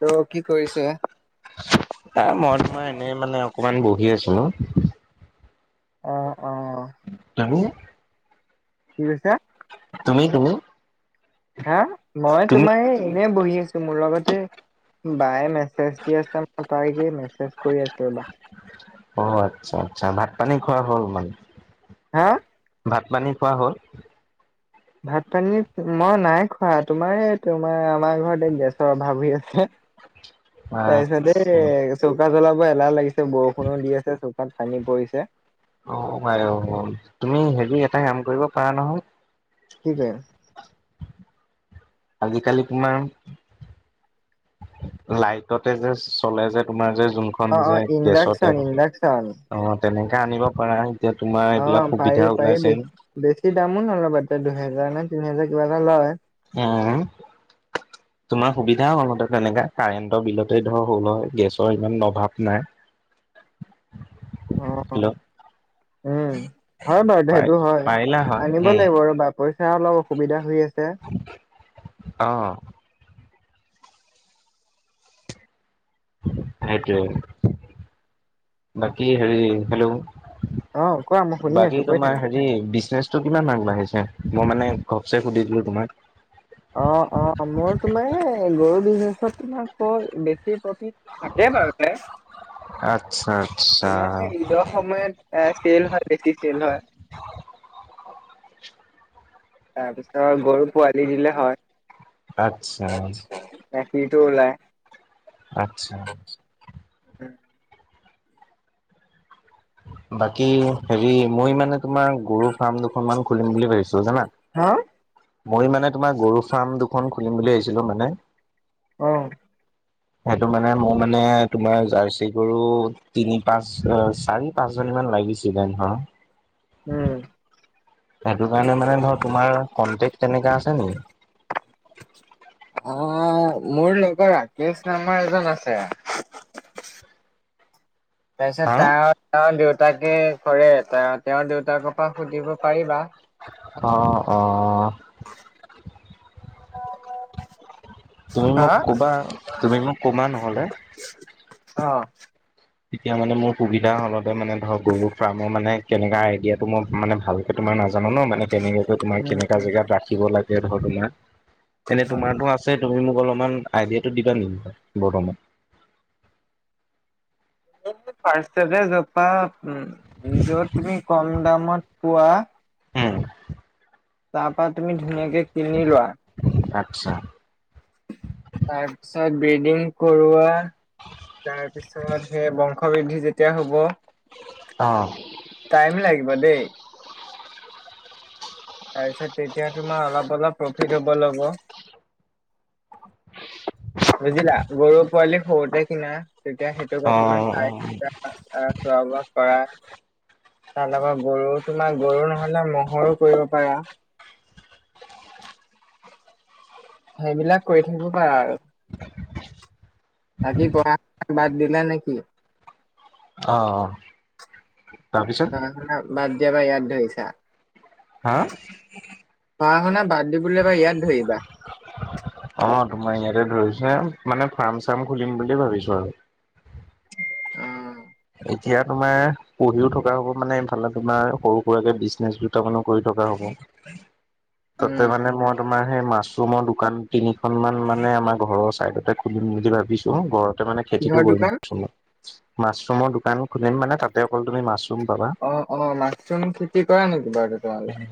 ত' কি কৰিছে? [unintelligible] মই তোমাৰ এনে মানে অকমান বহি আছিলোঁ। অ', অ, [unintelligible] কি কৈছা? তুমি, তুমি? হা, মই তুমি তোমাৰ এনে বহি আছো। মোৰ লগতে বায়ে মেছেজ দি আছে মই তাই কি মেছেজ কৰি আছো ৰবা। অ, আটছা, আটচা, ভাত পানী খোৱা হ'ল মানে? হা। ভাত পানী খোৱা হ'ল। ভাত পানী মই নাই খোৱা, তোমাৰ -তোমাৰ আমাৰ ঘৰতে গেছৰ অভাৱ হৈ আছে। [unintelligible] তাৰ আচ্ছা পিছতে। চৌকা জ্বলাব এলাহ লাগিছে বৰষুণো দি আছে চৌকাত পানী পৰিছে অ উপাই [unintelligible] অ, তুমি হেৰি এটা কাম কৰিব পাৰা নহয়? কি পাৰিম? আজিকালি কিমান লাইটতে যে চলে যে তোমাৰ যে যোনখন অ', যে অ', গেছতে। ইণ্ডাকচন ইণ্ডাকচন অ তেনেকা আনিব পাৰা, এতিয়া তোমাৰ অ', এইবিলাক পাৰি সুবিধা পাৰি ওলাইছে। বেছি বেছি দামো নলব তাতে দুহেজাৰ নে তিনি হেজাৰ কিবা এটা লয়। উম। তোমাৰ সুবিধা হলহেতেন তেনেকা কাৰেণ্টৰ বিলতে তোমাৰ হল হয়, গেছৰ ইমান অভাৱ নাই। [inaudible] অ। হেল্ল' উম, হয় বাৰু পাই সেইটো হয়, পাৰিলা হয় আনিব উম লাগিব ৰবা- পইচাৰ অলপ অসুবিধা হৈ আছে। অহ। সেইটোৱে, বাকি হৰি হেল্ল'! অ কোৱা মই শুনি বাকী আছো কৈ তোমাৰ থাকা। হেৰি বিজনেচ টো কিমান আগবাঢ়িছে, মই মানে ঘপচে সুধি দিলো তোমাক? অ অ মোৰ তোমাৰ এ গৰু বিজনেচটোত তোমাৰ ক বেছি প্ৰ থাকে বাৰু তে, আচ্ছা আচ্ছা এইয়া সেই ঈদৰ সময়ত এ চেল হয় বেছি চেল হয়। তাৰপিছত গৰু পোৱালি দিলে আচ্ছা হয় গাখীৰটো ওলাই। আচ্ছা। বাকী হেৰি মই মানে তোমাৰ গৰু ফাৰ্ম দুখনমান খুলিম বুলি ভাবিছো। টো জানা? হা মই মানে তোমাৰ গৰু ফাৰ্ম দুখন খুলিম বুলি আহিছিলো মানে অ। [inaudible] সেইটো মানে মোৰ মানে তোমাৰ জাৰ্চি গৰু তিনি- পাঁচ, চাৰি পাঁচজনী মান লাগিছিলে ধৰ, উম। সেইটো কাৰণে মানে মই তোমাৰ কণ্টেক্ট তেনেকা আছে নেকি? অ মোৰ লগৰ ৰাকেশ নামৰ এজন আছে। তাৰপিছত হা তেওঁ তেওঁৰ দেউতাকে কৰে ত তেওঁৰ দেউতাকৰ পৰা সুধিব পাৰিবা? অহ অ। [unintelligible] [inaudible] তুমি মোক হা। ক'বা, তুমি মোক ক'বা নহ'লে অহ। তেতিয়া মানে মোৰ সুবিধা হলহেতেন মানে ধৰক গৰু ফাৰ্মৰ মানে কেনেকা আইডিয়াটো মই মানে ভাল তোমাৰ নাজানো ন মানে তেনেকেটো তোমাৰ উম কেনেকা উম জেগাত ৰাখিব লাগে ধৰ তোমাৰ, এনে হয়। তোমাটো আ ছে তুমি মোক অলপমান আইডিয়াটো দিবা নেকি? বৰ্তমান ফাৰ্ষ্টতে যপা য'ত তুমি কম দামত পোৱা। উম তাৰ পৰা তুমি ধুনীয়াকে কিনি লোৱা। আচ্ছা। তাৰ পিছত ব্ৰেডিং কৰোৱা তাৰ পিছত সেই বংশ বৃদ্ধি যেতিয়া হ'ব অ। টাইম লাগিব দেই। তাৰপিছত তেতিয়া তোমাৰ অলপ অলপ প্ৰফিট হ'ব ল'ব। বুজিলা, গৰু পোৱালি সৰুতে কিনা তেতিয়া সেইটোক অ অকমান চাই চা। অ' খোৱা বোৱা কৰা। তাৰ লগত গৰু তোমাৰ গৰু নহ'লে ম'হৰো কৰিব পাৰা। সেইবিলাক কৰি থাকিব পাৰা আৰু। বাকী পঢ়া শুনা বাদ দিলা নেকি? অ'। তাৰপিছত পঢ়া-শুনা বাদ দিয়া পা ইয়াত ধৰিছা? হা পঢ়া-শুনা বাদ দিবলৈ এবাৰ ইয়াত ধৰিবা। অ' তোমাৰ ইয়াতে ধৰিছোঁ। মানে ফাৰ্ম চাৰ্ম খুলিম বুলি ভাবিছোঁ আৰু। অ', এতিয়া তোমাৰ পঢ়িও থকা হ'ব মানে এইফালে তোমাৰ সৰু সুৰাকে বিজনেচ দুটামানো কৰি থকা হ'ব। তাতে উম, মানে মই তোমাৰ সেই মাছ চোমৰ দোকান তিনিখন মান মানে আমাৰ ঘৰৰ চাইদতে খুলিম বুলি ভাবিছোঁ। ঘৰতে মানে খেতিটো কিহৰ কৰম দোকান? অলপ চলপ। মাচৰুমৰ দোকান খুলিম মানে তাতে অকল তুমি মাচৰুম পাবা। অ' অ' মাচুম খেতি কৰা নেকি বাৰু তুমি?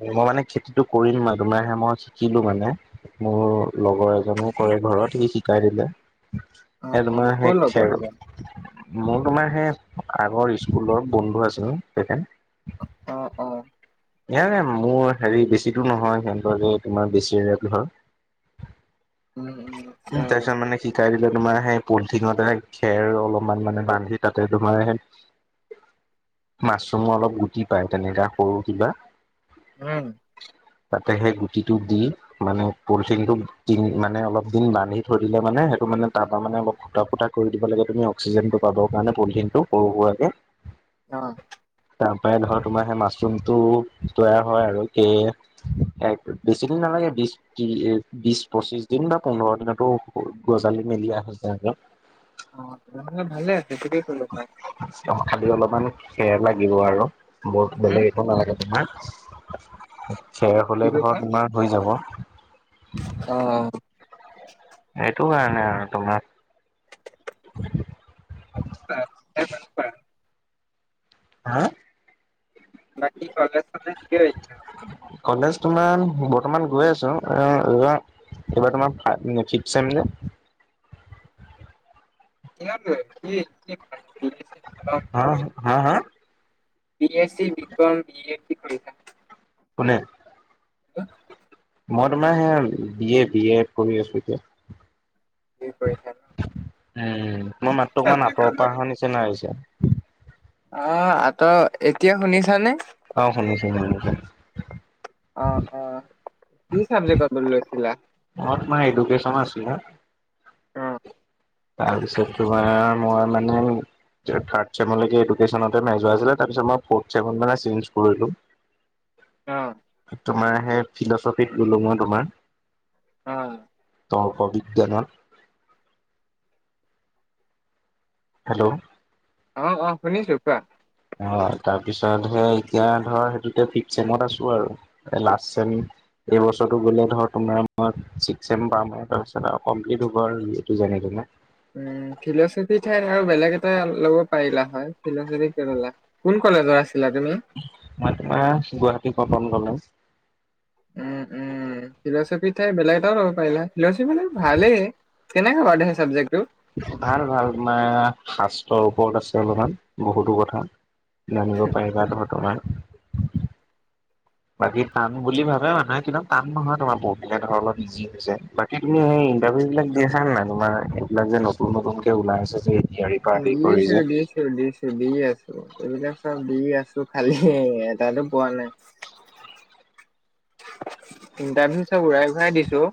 মই মানে খেতিটো কৰিম আও দুমাহে মই শিকিলোঁ মানে। মোৰ লগৰ এজনে কৰে ঘৰত সি শিকাই দিলে। অ', এ অ', তোমাৰ হে ক'ৰ লগৰ খেৰ সেইজন? মোৰ তোমাৰ সেই আগৰ স্কুলৰ বন্ধু আছিলোঁ তেখেত। অ' অ' ইয়াৰে মোৰ হেৰি বেছি দূৰ নহয়। সিহঁতৰ যে তোমাৰ বেছিৰে ঘৰ। উম উম আচ্ছা। তাৰ মানে শিকাই দিলে তোমাৰ সেই পলিথিনতে খেৰ অলপমান মানে বান্ধি তাতে তোমাৰ সেই মাচুমৰ অলপ গুটি পায় তেনেকা সৰু কিবা। উম তাতে সেই গুটিটো দি মানে পলিথিনটোত দিন মানে অলপ দিন বান্ধি থৈ দিলে মানে সেইটো মানে তাৰপা মানে অলপ ফুটা ফুটা কৰি দিব লাগে তুমি অক্সিজেনটো পাবৰ কাৰণে পলিথিনটো সৰু সুৰাকে অ' তাৰ পৰা ধৰ তোমাৰ সেই মাচুৰুমটো তৈয়াৰ হয় আৰু কে- এক বেছি দিন নালাগে- তি এ বিশ পঁচিশ দিন বা পোন্ধৰ দিনতো গজালি মেলি আহে তাৰ অ' তেনেহ'লে ভালে আছে খেতিকে কৰিব পাৰা। অ খালি অলপমান খেৰ লাগিব আৰু বৰ উম, বেলেগ একো নালাগে। খেৰ কি হ'লে কৈছা? ধৰ তোমাৰ হৈ যাব। অ' এইটো কাৰণে আৰু তোমাক [unintelligible] হা বাকী কলেজ চলেজ কিয় এৰিদিলা? কলেজ তোমাৰ বৰ্তমান গৈ আছোঁ এইবাৰ তোমাৰ ফাইভ নে ফিপ চেম নে? সিমান টোৱে বি [unintelligible] বি কম কি হা কৰিছা? হা হা B S C B com B A কি কৰিছা? কোনে? [unintelligible] মই তোমাৰ এয়া বি এ-বি এ কৰি আছোঁ যে কি কৰিছা ন? উম তোমাৰ মাতটো অ', অকমান আঁতৰৰ পৰা অহা নিচিনা আহিছে। অ' আঁতৰত, এতিয়া শুনিছানে? অ' শুনিছোঁ-শুনিছোঁ। অ'-অ' কি চাৱজেকত লৈছিলা? অ' তোমাৰ এডুকেশচনৰ আছিলা অ', তাৰপিছত তোমাৰ মই মানে যে থাৰ্ড ছেএমলৈকে এডুকেশনতে মেজৰ আছিলে তাৰপিছত মই ফ'ৰ্ড ছেএমত মানে চেন্স কৰিলোঁ। [unintelligible] অ' তোমাৰ হে ফিল'ছফীত ললোঁ মই তোমাৰ। অ' তৰ্ক বিজ্ঞানত হেল্ল' অ'-অ' শুনিছোঁ কোৱা। অ' তাৰপিছত হে এতিয়া ধৰ সেইটো ফিফচেমত আছোঁ আৰু মানে লাষ্ট চেম। এই বছৰটো গ'লে ধৰ তোমাৰ মই ছি চেম পাম আৰু কমপ্লিট হ'ব আৰু যেনে তেনে উম ফিল'ছফী ঠাইত আৰু বেলেগ এটা ল'ব পাৰিলা হয় ফিল'ছফী কিয় ললা? কোন কলেজৰ আছিলা তুমি? মই তোমাৰ গুৱাহাটী কটন কলেজ। উম-উম। ফিল'ছফীৰ ঠাইত বেলেগ এটাও ল'ব পাৰিলা হয়, ফিল'ছফীটো ভালেই, কেনেকে বাৰু সেই চাবজেক্টটো ভাল-ভাল, তোমাৰ শাস্ত্ৰৰ ওপৰত আছে অলপমান বহুতো কথা। [unintelligible] তোমাৰ বাকী টান বুলি ভাবে মানুহে কিন্তু টান নহয়, তোমাৰ বহুতবিলাক ধৰ অলপ ইজি হৈ যায় পিছে তুমি সেই ইন্টাৰভিউ বিলাক দি আছা নাই তোমাৰ এইবিলাক যে নতুন নতুনকে ওলাই আছে যে এডিয়াৰি পৰা উম আদি দি কৰি আছোঁ যে দি আছোঁ। দিছোঁ দি আছোঁ এইবিলাক চব দি আছোঁ খালি এটাতো পোৱা নাই। [unintelligible] ইণ্টাৰভিউ চব ঘূৰাই ঘূৰাই দিছোঁ।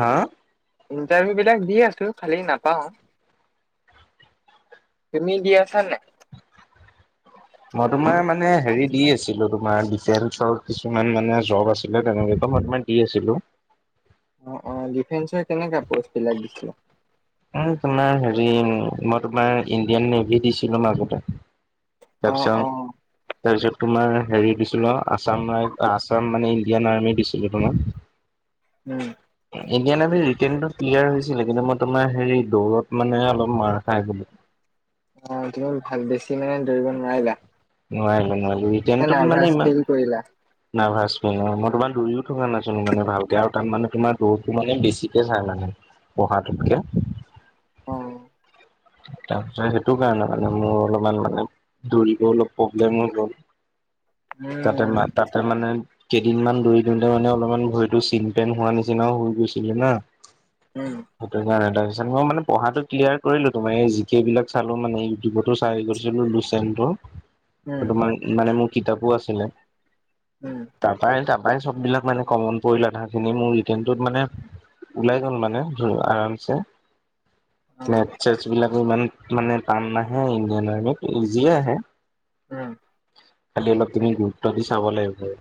হা ইণ্টাৰভিউ বিলাক দি আছোঁ খালি নাপাওঁ। তুমি দি আছা নাই? মই তোমাৰ মানে হেৰি দি আছিলোঁ তোমাৰ ডিফেন্সৰ কিছুমান মানে জব আছিলে তেনেকে টোতোমাৰ মই দি আছিলোঁ। অ'-অ' ডিফেন্সৰ কেনেকা পষ্ট বিলাক দিছিলা। এই তোমাৰ হেৰি মই তোমাৰ ইণ্ডিয়ান নেভি দিছিলোঁ মাজতে। অ তাৰপিছত অ তাৰপিছত তোমাৰ হেৰি দিছিলোঁ অ' আছাম ৰাই আছাম মানে ইণ্ডিয়ান আৰ্মি দিছিলোঁ তোমাৰ। [unintelligible] উম ইণ্ডিয়ান আৰ্মিৰ ৰিটেইনতো ক্লিয়াৰ হৈছিলে কিন্তু মই তোমাৰ হেৰি দৌৰত মানে অলপ মাৰ খাই গলো। অ' তুমি ভাল বেছি মানে দৌৰিব নোৱাৰিলা। নোৱাৰিলোঁ-নোৱাৰিলোঁ নে ৰিটেনটোত মানে নাৰ্ভাচ ইমান ফিল কৰিলা? নাৰ্ভাছ কৰিলোঁ মই তোমাৰ দৌৰিও থকা নাছিলোঁ মানে ভালকে আৰু তাত মানে তোমাৰ দৌৰটো মানে বেছিকে চাই মানে। পঢ়াটোত কে। অ তাৰপিছত সেইটো কাৰণে মানে মোৰ অলপমান মানে', দৌৰিব অলপ প্ৰব্লেমো হ'ল, তাতে উম ম', তাতে মানে', কেইদিনমান দৌৰি দিওঁতে মানে অলপমান ভৰিটো চিন পেন হোৱা নিচিনাও হৈ গৈছিলে না', উম সেইটো কাৰণে, তাৰ পিছত মই মান পঢ়াটো ক্লিয়াৰ কৰিলোঁ', তোমাৰ এই জিকেই বিলাক চালোঁ মানে ইউটিউবতো চাই কৰিছিলোঁ চলিউচনটো উম হেতু মাৰি', মানে মোৰ কিতাপো আছিলে', উম তাপাই- তাপাই চব বিলাক মানে কমন পৰিলে আধা আধি মোৰ', মোৰ ৰিটেনতোত মানে', ওলাই গ'ল মানে ধৰা আৰামছে অ নে', যি বিলাকবোৰ ইমান মানে টান নাহে ইণ্ডিয়ান আৰ্মিত, ইজিয়ে আহে', উম খালি অলপ তুমি গুৰুত্ব দি চাব লাগিব',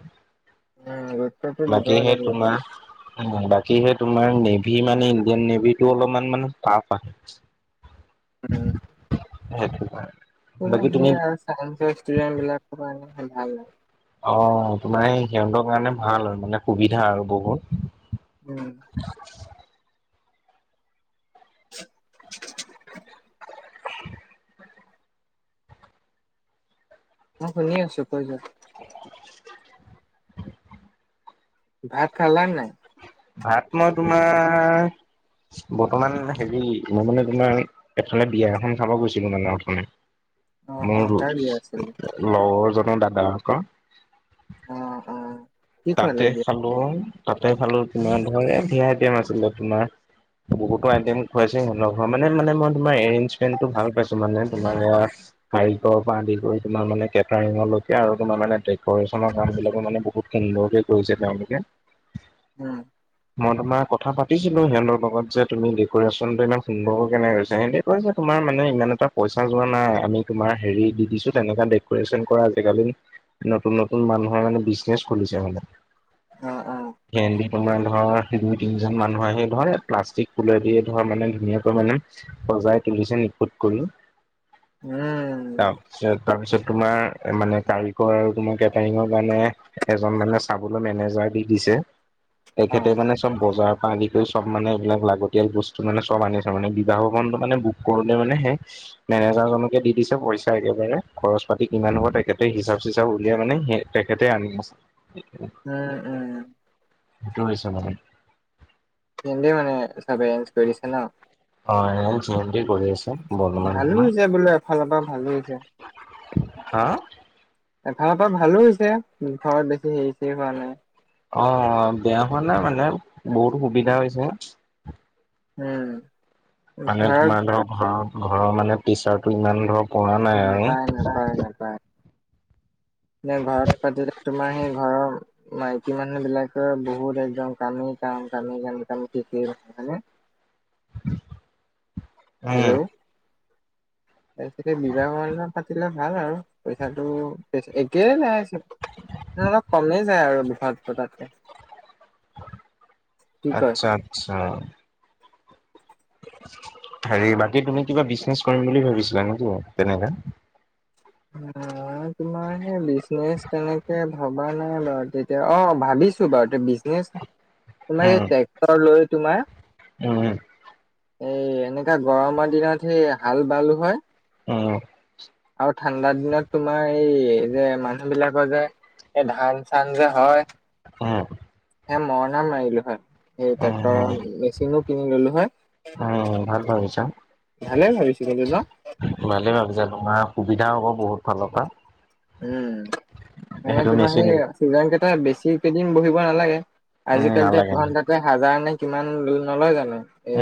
উম গুৰুত্বটো বাকী দিবই হে লাগিব তোমাৰ', বাকী, সেই তোমাৰ নেভি মানে ইণ্ডিয়ান নেভিটো অলপমান মানে টাফ আহে', উম', সেইটো কাৰণে উম', বাকী অ', তুমি ইয়েছ', তাহঁতৰ ষ্টুডেন্ট বিলাকোৰ পৰা আনি মান ভাল', অ', তোমাৰ সিহঁতৰ কাৰণে ভাল আৰু মানে সুবিধা আৰু বহুত', উম', অহ', মই শুনি আছোঁ কৈ যোৱা? ভাত খালা নে নাই? ভাত মই তোমাৰ, বৰ্তমান হেৰি, মই মানে তোমাৰ', এফালে বিয়া এখন খাব গৈছিলোঁ মানে অথনি', অ অ মোৰ কাৰ বিয়া আছিলে? লগৰজনৰ দাদা আকৌ', অ অ কি খোৱালে তাতে বিয়াত? খালোঁ, তাতে খালোঁ, তোমাৰ ধৰা ধেৰ আইটেম আছিলে তোমাৰ', বহুতো আইটেম খোৱাইছে সিহঁতৰ ঘৰ মানে-মানে মই তোমাৰ এৰেঞ্জমেণ্টো ভাল পাইছোঁ, মানে তোমাৰ সেয়া', কাৰিকৰ পৰা আদি কৰি তোমাৰ মানে কেটাৰিঙলৈকে আৰু তোমাৰ ডেকৰেশ্যচনৰ কাম বিলাকো মানে বহুত', সুন্দৰকে কৰিছে তেওঁলোকে', উম', মই তোমাৰ কথা পাতিছিলোঁ সিহঁতৰ লগত যে তুমি ডেকৰেশ্যন টো ইমান সুন্দৰকৈ কেনেকে কৰিছ? সিহঁতি', কৈছে, তোমাৰ মানে ইমান এটা পইচা যোৱা নাই আমি তোমাৰ হেৰি দি দিছোঁ তেনকা ডেকৰেশ্যন কৰা জেগালে', নতুন নতুন মানুহে মানে বিজনেচ খুলিছে মানে', অ অ ভেন দি', তোমাৰ ধৰ সেই দুই তিনিজন মানুহ আহি ধৰে, প্লাষ্টিক ফুলেদি ধৰ মানে ধুনীয়াকৈ মানে', সজাই তুলিছে নিখুত কৰি', উম', তাৰপিছত, তাৰপিছত তোমাৰ মানে কাৰিকৰ আৰু তোমাৰ কেটাৰিঙ ও যানে', এজন মানে চাবলৈ মেনেজাৰ দি দিছে অ তেখেতে মানে চব', বজাৰৰ পৰা আদি কৰি চব মানে এইবিলাক লাগতিয়াল বস্তু মানে চব আনিছে মানে বিবাহ ভৱনতো মানে বুক কৰোঁতে মানে সেই', মেনেজাৰ জনকে দি দিছে পইচা একেবাৰে খৰচ পাতি কিমান হ'ব তেখেতে হিচাপ চিচাপ উলিয়াই মানে সেই', তেখেতে আনি আছে', উম', উম', সেইটো হৈছে মানে', সিহঁতি মানে চব এৰেঞ্জ কৰিছে ন', অ জয়ন্তী কৰি আছে বৰ্তমান ভালো তোমাৰ হৈছে বোলো এফালৰ পৰা ভালো হৈছে', হা', এফাৰৰ পৰা ভালো হৈছে ঘৰত বেছি হেৰি চেৰি হোৱা নাই', অ', বেয়া হোৱা নাই মানে বহুত সুবিধা হৈছে', উম', মানে ঘৰত তোমাৰ ধৰ ঘৰৰ- ঘৰৰ মানে প্ৰেচাৰটো ইমান ধৰ পৰা নাই আৰু', সঁচাই', নে, ঘৰত পাতিলে তোমাৰ সেই ঘৰৰ', মাইকী মানুহ বিলাকে বহুত একদম কামেই কাম কামেই কামেই কামেই শেষেই নহয় হয় নে', হেল্ল, উম ' তাৰ পিছতে বিবাহ ভৱনতে পাতিলে ভাল আৰু। পইচাটো একে নাইছে। অলপ কমেই যায় আৰু ঘত পতাতকে কি কয় আচ্ছা আচ্ছা হেৰি বাকী তুমি কিবা বিজনেছ কৰিম বুলি ভাবিছিলা নেকি? তেনেকা অঁ তোমাৰ সেই বিজনেচ তেনেকে- ভবা নাই বাৰু তেতিয়া অ ভাবিছো বাৰু তে বিজনেছ- তোমাৰ উম এই ট্ৰেক্টৰ লৈ উম, তোমাৰ- এই এনেকা গৰমৰ দিনত সেই হাল বালু হয় উম আৰু ঠাণ্ডাৰ দিনত তোমাৰ এই যে মানুহ বিলাকৰ যে - এই ধান চান যে হয়। উম- সে মৰনা মাৰিলো হয়। এই উম, ট্ৰেক্টৰৰ মেচিনো কিনি ললো হয়। উম, ভাল ভাবিছা। ভালে ভাবিছিলি ন। ভালে ভাবিছা তোমাৰ সুবিধা হ'ব বহুত ফালৰ পৰা। উম, মানে সেইটো তোমাৰ মেচিন সেই চিজন কেইটা বেছি কেইদিন বহিব নালাগে। উম, আজিকালিতো নালাগে। এঘন্টাতে হাজাৰ নে কিমান নলয় জানো। এ-